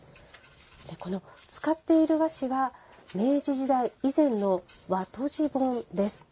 使っている和紙は明治時代以前の和綴じ本です。